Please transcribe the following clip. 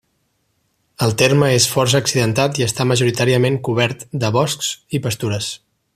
El terme és força accidentat i està majoritàriament cobert de boscs i pastures.